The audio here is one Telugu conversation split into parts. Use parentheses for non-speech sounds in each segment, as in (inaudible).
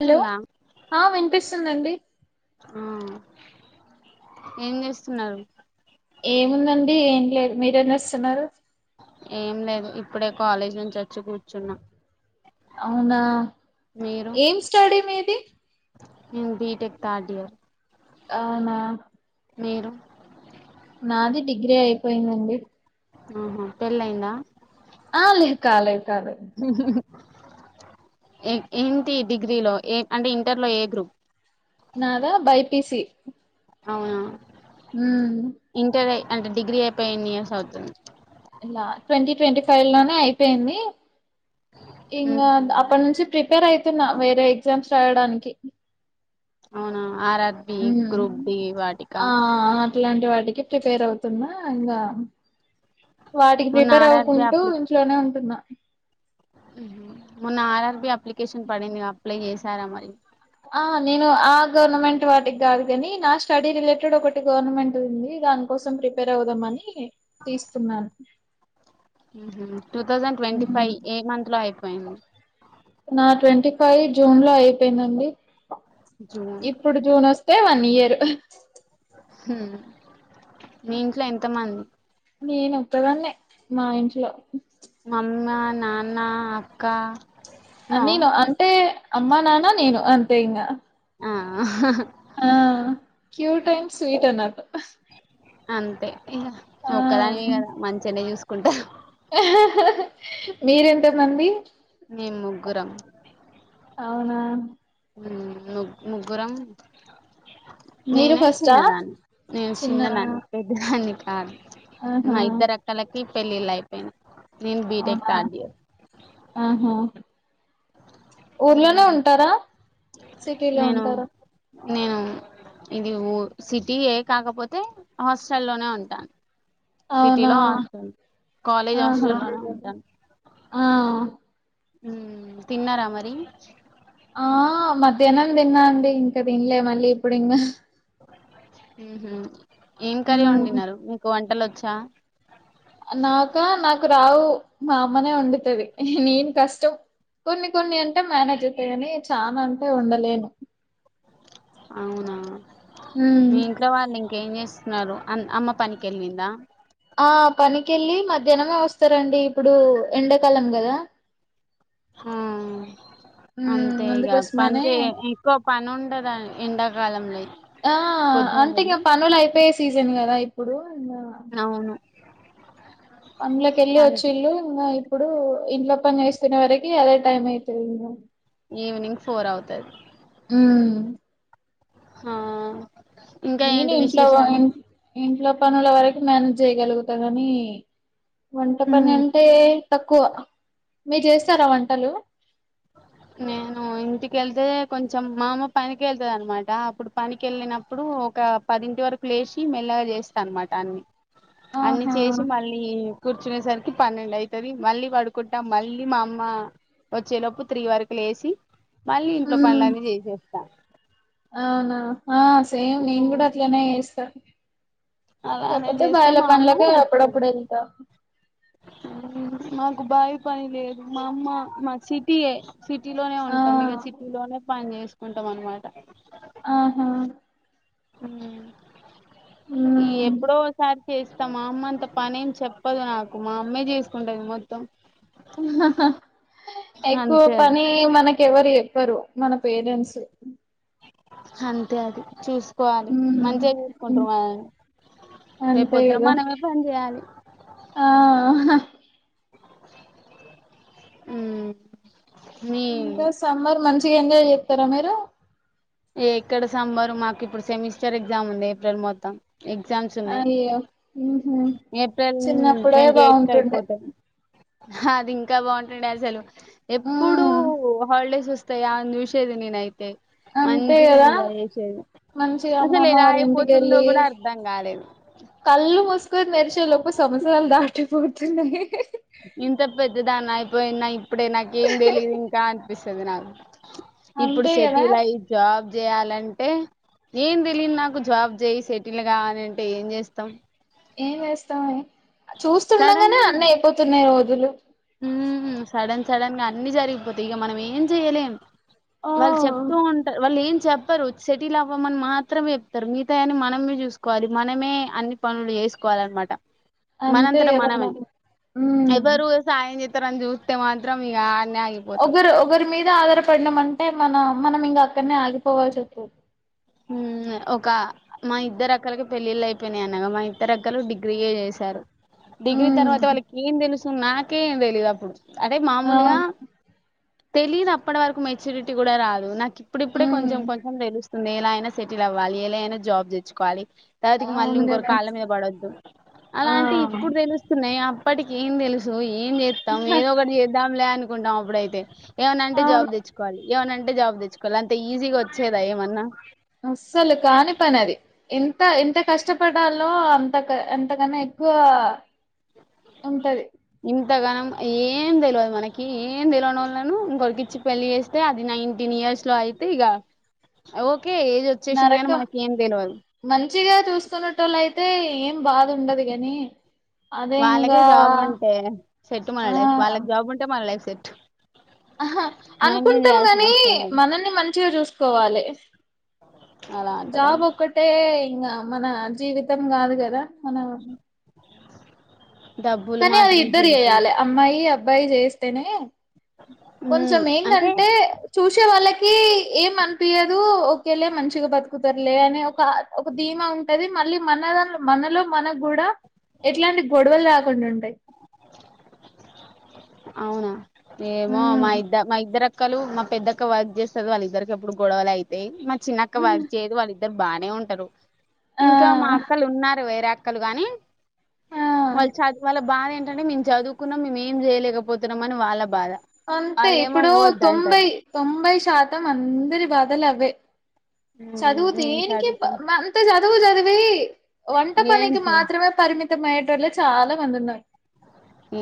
హలో స్తుందా ఆ వినిపిస్తుందండి ఆ ఏం చేస్తున్నారు ఏముందండి ఏం లేదు మీరేం చేస్తున్నారు ఏం లేదు ఇప్పుడే కాలేజ్ నుంచి వచ్ అవునా ఏం స్టడీ మీది ఇ బీటెక్ థర్డ్ ఇయర్ అవునా మీరు నాది డిగ్రీ అయిపోయిందండి ఆహా పెళ్ళైందా ఆ లే కాల కాల ఇంకా ఏంటి డిగ్రీలో ఏ అంటే ఇంటర్లో ఏ గ్రూప్ నాదా బైపిసి అవునా మ్మ్ ఇంటర్ అంటే డిగ్రీ అయిపోయి ఎన్ని ఇయర్స్ అవుతుంది ఇలా ట్వంటీ ట్వంటీ ఫైవ్ లోనే అయిపోయింది ఇంగ ఉహు అక్కడ నుంచి ట్రిప్ ప్రిపేర్ అయూతున్నా వేరే ఎగ్జామ్స్ రాయడానికి అవునా ఆర్ ఆర్ ర్బి గ్రూప్ డి వాటికా ఇలాంటి వాటికి ప్రిపేర్ అవుతున్నా ఇంగా వాటికి మొన్న ప్రిపేర్ ఆర్ఆర్బి అవకుంటూ అప్లి ఇంట్లోనే ఉంటున్నా మొన్న ఆర్ ఆర్ ర్బి అప్లికేషన్ పడింది అప్లై చేశారా మరి ఆ నేను ఆ గవర్నమెంట్ వాటికి కాదు కాని నా స్టడీ రిలేటెడ్ ఒకటి గవర్నమెంట్ ఉంది దాని కోసం ప్రిపేర్ అవుదాం అని తీస్తున్నాను మ్మ్ హ్మ్ టూ థౌసండ్ ట్వంటీ ఫైవ్ ఏ మంత్ లో అయిపోయ్ పైన్ నా ట్వంటీ ఫైవ్ జూన్ లో అయిపోయిందండి జూన్ ఇప్పుడు జూన్ వస్ తే వన్ ఇయర్ మ్మ్ మీ ఇంట్లో ఎంత మంది నేను ఒక్కదాన్నే మా ఇంట్లో అమ్మ నాన్న అప్ నేను అంటే అమ్మ నానా నేను అంతే ఇంగ ఆ ఆ క్యూర్ టైండ్ స్వీట్ అన్నట్ అంతే ఇంక ఆ మొక్కదానివి కదా మంచిగనే చూసు కుంటా మీరెంత మంది మేం ముగ్గురం అవునా ఉమ్ ముగ్గురం మీరు నేనే ఫస్టా చిన్నదాన్ని నేను చిన్నవా చిన్నదాన్ని పెద్దదాన్ని ఆ నా ఆహా ఇద్దర అక్కలకి పెళ్లిళ్ళయిపోయినాయి అవునా ఆహా ఊర్లోనే హ్మ్ ఉంటారా సిటీలో నేను ఉంటారా నేను ఇది ఊ సిటీయే కాకపోతే హాస్టల్లోనే ఉంటాను అవునా సిటీలో హాస్టల్ కాలేజ్ ఆహా హాస్టల్లోనే ఆ ఉమ్ తిన్నారా మరి ఆ మధ్యాహ్నం తిన్నా అండి ఇంకా తిన్లే మళ్ళీ ఇప్పుడు ఇంకా ఉహూ ఏం కర్రీ ఉమ్ వండినారు మీకు వంటలు వ చ్చ నాకా నాకు రావు మా అమ్మనే వండుతది నేను కష్టం కొన్ని కొన్ని అంటే మేనేజ్ చేస్తా కాని చాలా అంటే వండలేను అవునా ఉమ్ మీ ఇంట్లో వాళ్ళు ఇంకా ఇంకా ఏం చేస్తున్నారు అమ్మ పనికి వెళ్ళిందా ఆ పనికిళ్ళి మధ్యాహ్నమే వస్తారండి ఇప్పుడు ఎండాకాలం కదా ఆ ఉమ్ అంతే ఇక అందుకోసమనే పని ఎక్కువ పని ఉండదని ఎండాకాలంలో అయితే ఆ అంటే ఇంకా పనులు అయిపోయే సీజన్ కదా ఇప్పుడు నా అవును అందులకి వెళ్ళి వచ్చి అంతే ఇల్లు ఇప్పుడు ఇంట్లో పని చేస్తునే వరకి అదే టైం అవుతుంది ఇంకా ఈవినింగ్ ఫోర్ అవుతది ఉమ్ హా నేను ఇంట్లో ఇంట్లో పనుల వరకు మేనేజ్ చేయగలుగుతా గానీ వంట పని ఉమ్ అంటే తక్కువ మీరు చేస్తారా వంటలు నేను ఇంటికెళ్తే కొంచెం మా అమ్మ పనికి వెళ్తాది అన్నమాట అప్పుడు పనికి వెళ్ళినప్పుడు ఒక పదింటి వరకు లేచి మెల్లగా చేస్తా అనమాట అన్ని అన్ని ఆహా చేసి మళ్ళీ కూర్చునేసరికి పన్నెండు అయితది మళ్ళీ పడుకుంటాం మళ్ళీ మా అమ్మ వచ్చే లోపు త్రీ వరక లేసి మళ్ళీ ఇంట్లో మ్మ్ పనులన్నీ చేసేస్తా అవునా ఆ సేమ్ నేను కూడా అట్లనే చేస్తా అలానే కాకపోతే చేస్తా బయలా మా అమ్మ పనులకు వస్తది అప్పుడప్పుడు వెళ్తా మాకు బావి పని లేదు మా అమ్మ మా సిటీయే సిటీలోనే ఆ ఉంటాం ఇక సిటీలోనే పని చేస్ కుంటాం అనమాట ఆహా అ ఈ మ్మ్ ఎప్పుడోసారి చేస్తాం మా అమ్మ అంత పనేమి చెప్పదు నాకు మా అమ్మే చేసుకుంటది మొత్తం అహహా ఎక్కువ అంతే అది పని మనక కే ఎవరు చెప్పరు మన పేరెంట్స్ అంతే అది చూసుకోవాలి మంచిగా చుసుకుంటారు మనల్ని రేపు అంతే పొద్దున కదా మనమే పని చేయాలి ఆ యూ ఇంకా సమ్మర్ మంచ ఎంజాయ్ చేస్తారా మీరు ఎక్కడ సమ్మర్ మాకు ఇప్పుడు సెమిస్టర్ ఎగ్జామ్ ఉంది ఏప్రిల్ మొత్తం ఎగ్జామ్స్ ఉన్నాయి అయ్యో ఉహు ఏప్రిల్ చిన్నప్పుడే ట్వంటీ ఎయిట్ కి బాగుంటుండే అయిపోతాయి అది ఇంకా బాగుంటుండే అసలు ఎప్పుడు ఉమ్ హాలిడేస్ వస్ తయ్యాంది చూసేది నేనైతే అంతే మంచిగా కదా ఎంజాయ్ చేసేది మంచిగా అమ్మ అసలు అమ్మ ఎలా వాళ్ళ ఇంటికి అయిపోతుందో వెళ్ళి కూడా అర్థం కాలేదు కళ్ళు మూసుకొని తెరిచేలోపు ఇప్పుడు సంవత్సరాలు దాటిపోతున్నాయి ఇంత పెద్ద దానీ అయిపోయిన ఇప్పుడే నాకి ఏం తెలీదు ఇంకా అనిపిస్తుంది (unintelligible) ఇప్పుడు అంతే కదా సెటిల్ అయ్యి జాబ్ చేయాలంటే ఏం తెలియదు నాకు జాబ్ చేయి సెటిల్ గా అని అంటే ఏం చేస్తాం ఏం వేస్తావే సడన్ చూస్తుండగానే అన్న అయిపోతున్నాయి రో ఎల్లు హుమ్ సడన్ సడన్ గా అన్ని జరిగిపోతే ఇక మనం ఏం జేయలేము వాళ్ళు ఆ చెప్తూ ఉంటారు వాళ్ళు ఏం చెప్పరు సెటిల్ అవ్వమని మాత్రమే చెప్తారు మిగతాయి అని మనమే చూసుకోవాలి మనమే అన్ని పనులు చేసుకోవాల అన్నమాట అంతే ఏదన్నా ఉమ్ ఎవరు సాయం చేస్తారని చూస్తే మాత్రం ఇగా ఒకరు ఒకరి మీద ఆధారపడినమం టే మన మనం ఇంగా అక్కడనే ఆగిపోవాల్సి వస్తుంది హుమ్ ఒక మా ఇద్దరు అక్కలికి పెళ్ళిళ్ళ అయిపోయినాయి అనగా మా ఇదరు అక్కలు డిగ్రీయే చేశారు డిగ్రీ హ్మ్. తరువాత వాళకి ఏందేలుసు నాకే ఏమ్ తెలీదు అప్పుడు అదే మామూలుగా అవును. తెలీదు అప్పటి వరకు మెచ్యూరిటీ కూడా రాదు నాకు ఇప్పుడిప్పుడే హ్మ్. కొంచం కొంచం తెలుస్తు నేను అయినా సెటిల్ అవ్వాలి ఎలా అయినా జాబ్ తెచ్చుకోవాలి రాతికి మళ్ళీ అవును ఇంకొరు గదా! కాళ్ళ మీద పడొద్దు. ఆ! అలాంటి ఇప్పుడు తెలుస్తున్నాయ ఇప్పటికేం తెలుసు ఓయ్ ఏం చేతం ఏదోకటి చేద్దాంలే అను కుంటాం అప్పుడైతే ఏమనంటే అవును. జాబ్ తెచ్చుకోవాలి ఏమనంటే జాబ్ తెచ్చుకోవాలి అంత ఈజీగా వచ్చేదా ఏమన్న అస్సలు కాని పనది ఎంత ఎంత కష్టపడాలో అంత అంతకన్నా ఎక్కువ ఉంటది ఇంతగనం ఏం తెలివదు మనకి ఏం తెలువనోళ్లను ఇంకొరికిచ్చి పెళ్ళి చేస్తే అది నైన్టీన్ ఇయర్స్ లో అయితే ఇగ ఓ నరకం మంచిగా చూసుకునేటోల్లయితే ఏ బాదుండదు గని వాళ్ళకే జాబ్ ఉంటే సెట్టు మన ఆ! లైఫ్ వాళ్ళకి జాబ్ ఉంటే మన లైఫ్ సెట్ అహా మనం ఏం అనుకుంటం చేయాల్సిన గని అవసరం లేదు మనల్ని మంచిగా జూ సుకోవాలే అలా (inaudible) అంటారా జాబ్ ఒకటే ఇంగ మన జీవితం కాదు కదా మన డబ్బులు కనీ అది మాత్రం ఇద్దరు జీవితం చేయాలె అమ్మాయి బ్బాయి చేస్తేనే కొంచెం ఉమ్ అంటే ఏందంటే చూ సే వాళ్ళకి ఏం అనిపియ్యదు ఒకేలే మంచిగా బతుకుతరులే అని ఒక ధీమా ఉంటది మళ్ళీ మన మనలో మనకు కూడా ఎట్లాంటి గొడవలు రాకుండుటయి అవునా ఏమో మా ఇద్ద మా ఇద్దర అక్కలు మా పెద్దక్క వర్క్ చేస్తది వాళ్ళ ఇద్దరికి ఎప్పుడు గొడవలు అయితయి చిన్నక్క వర్క్ చేయదు వాళ్ళు ఇద్దరు బానే ఉంటరు ఆ ఇంకా మా అక్కలు ఉన్నారు వేరేక్క క్కలు కాని ఆ వాళ్ళు చదువు వాళ్ళ బాధ ఏంటంటే మేము చదువుకున్నాం మేమేం చేయలే పోతున్నమని వాళ్ళ అంతే వాళ్ళేమో ఇప్పుడు తొంభై పోద్దంటారు తొంభై శాతం అందరి బాధలవే చదువు నేను దేనికి చదువుకుని అంత చదువు చది వే వంట ఏం పనికి చెయ్ మాత్రమే పరిమితి అయిటోలు చాలా మందిన్నారు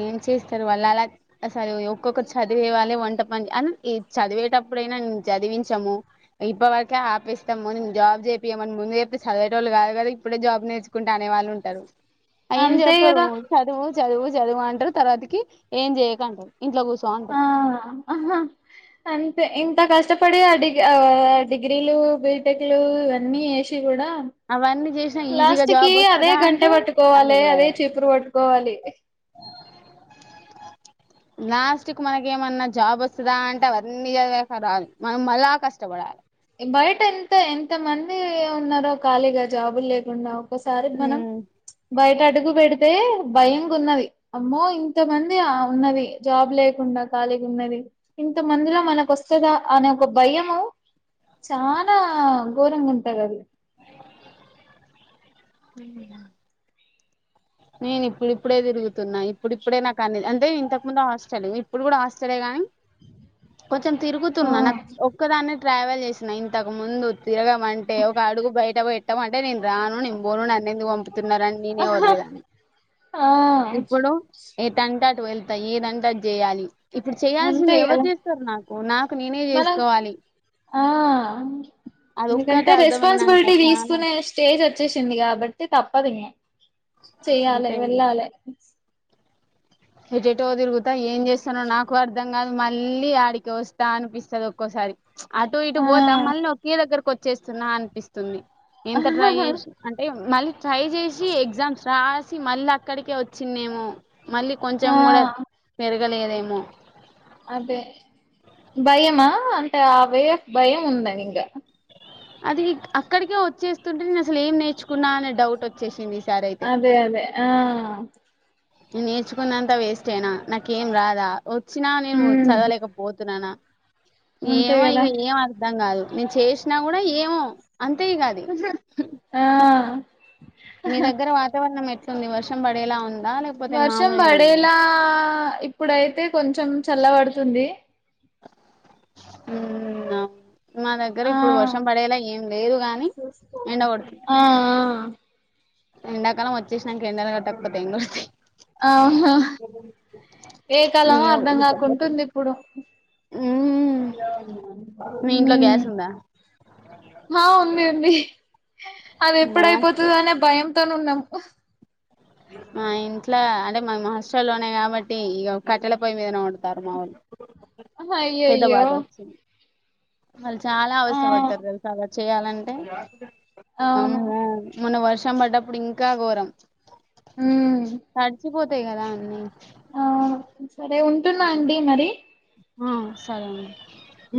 ఏం చేస్తారు వాళ్ళు అలాసర ఒక్కొక్కరు చదివే వాళ్ళే వంట పని అ చదివేటప్పుడైనా నేను చదివించాము ఇప్పవరకే ఆపిస్తాము నేను జాబ్ చేయియమని ముందు చెప్తే చదివేట వాళ్ళు కాదు కదా ఇప్పుడే జాబ్ నేర్చుకుంటే అనేవాళ్ళు ఉంటారు అయి ఏం అంతే చెప్పరు కదా చదువు చదువు చదువా అంటారు తర్వాతికి ఏం చేయక అంటారు ఇంట్లో కూర్చో ఆ అంటారు ఆహా అంతే ఇంత కష్టపడి ఆ డిగ డిగ్రీలు బీటెక్లు ఇవన్నీ వేసి కూడా అవన్నీ చేసినా ఈజీగా లాస్ట్ కి జాబ్ అదే వస్తదా గరిట అంటే అది పట్టుకోవాలి కూడా అదే రాదు చీపురు పట్టుకోవాలి లాస్ట్ కి మనకు ఏమన్నా జాబ్ వస్తుందా అంటే అవన్నీ చదివక రాదు మనం మళ్ళా కష్టపడాలి బయట ఎంత ఎంత మంది ఉన్నారో ఖాళీగా జాబులు లేకుండా ఒకసారి మనం ఉమ్ బయట అడుగు పెడి అయితే భయం గున్నది అమ్మో ఇంత మంది ఉన్నది జాబ్ లేకుండా ఖాళీగా ఉన్నది ఇంత మందిలో మనకు వస్తదా అనే ఒక భయము చాలా ఘోరంగా ఉంటాది అసలు ఉ నేను ఇప్పుడిప్పుడే తిరుగుతున్నా ఇప్పుడిప్పుడే నాకు అన్ని అంటే ఇంతకు ముందు హాస్టల్ ఇప్పుడు కూడా హాస్టలే గాని కొంచెం ఆ తిరుగుతున్నా నాకు ఒక్కదానే ట్రావెల్ చేసిన ఇంతకుముందు తిరగమంటే ఒక అడుగు బయటపెట్టి మా న (unintelligible) రాను నేను బోను నన్నందు పంపుతున్నారని నేనే వర్ర్రిదని (unintelligible) ఆ ఇప్పుడు ఏటా ఇట్టటు వెళ్తా ఏదంటా అది చేయాలి ఇప్పుడు అంతే చేయాల్సింది ఎవరు కదా చేస్తారు నాకు నాకు నేనే మనం చేసుకోవాలి ఆ ఎందుకంటే అదొక్కటే అర్థమైనాక రెస్పాన్సిబిలిటీ చాలా తీసుకునే స్టేజ్ వచ్చేసింది కాబట్టి తప్పదు చెయ్యాలే అంతే వెళ్ళాలే ఎటు ఎటో తిరుగుతా ఏం చేస్తానో నాకు అర్ధం కాదు మళ్ళీ ఆడికి వస్తా అనిపిస్తుంది ఒక్కోసారి అటు ఇటు ఆ పోతా మళ్ళీ ఒకే దగ్గరకు వచ్చేస్తున్నా అనిపిస్తుంది ఎంత ట్రై చేసి అంటే మళ్ళీ ట్రై చేసి ఎగ్జామ్స్ రాసి మళ్ళీ అక్కడికే వచ్చిందేమో మళ్ళీ కొంచెం ఆ కూడా మరు (unintelligible) క లేదేమో అదే భయమా అంటే అవే భయం ఉందని ఇంకా అది అక్కడికే వచ్చేస్తుంటే నేను అసలు ఏం నేర్చుకున్నా అనే డౌట్ వచ్చేసింది ఈసారి అయితే అదే అదే ఆ నేర్చుకున్నంత వేస్ట్ేనా నాకేం రాదా వచ్చినా నేను ఉమ్ చదవలేకపోతున్నానా అంతే ఏమో కదా ఇక ఏం అర్ధం కాదు నేను చేసినా కూడా ఏమో అంతే ఇక అది ఆ మీ దగ్గ వాతావరణం ఎ కొొన్ని వర్షం పడేలా ఉంది వర్షం పడేలా ఇప్పుడైతే కొంచెం చల్ల పడుతుంది ఉ మా దగ్గర ఆ ఇప్పుడు వర్షం పడేలా ఏం లేదు గాని ఎండకడుతుంది ఆ ఎండాకాలం వచ్చేసినాక ఎండా కట్టకపోడతేయి ఇం కూడా అవునా ఏ కాలమో ఇక అర్ధం ఉడకపోతది కాకుంటుంది ఇప్పుడు ఉమ్ మీ ఇంట్లో గ్యాస్ ఉందా ఆ ఉంది ఉంది అది మాకు ఎప్పుడయిపోతుందో అనే భయం తను ఉన్నాము మా ఇంట్లో అంటే మా హస్ట లోనే కాబట్టి ఇక కట్టెల పయ్య మీదనే వండుతారు మా వాళ్ళు అహ అయ్యోయ్యో అల్ చాలా అవసయ పడతరు తెలుసా చెయాలంటే అవును అమ్మో మొన్న వర్ష్ షమ్ పడ్డప్పుడు ఇంకా ఘోరం ఉమ్ తడిచి పోత్ తయి కదా అన్నీ ఆ సరే ఉంటున్నా అండి మరి ఆ సరే అండి ఉ